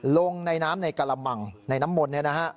ลงในน้ำในกระลำมังในน้ำหม่นนี้นะฮะ